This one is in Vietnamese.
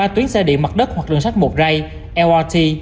ba tuyến xe điện mặt đất hoặc đường sắt một ray lrt